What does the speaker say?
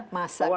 masak di rumah